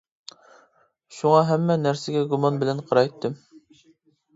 شۇڭا ھەممە نەرسىگە گۇمان بىلەن قارايتتىم.